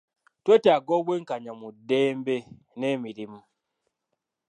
Twetaaga obw'enkanya mu ddembe n'emirimu.